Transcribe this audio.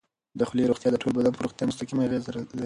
د خولې روغتیا د ټول بدن پر روغتیا مستقیمه اغېزه لري.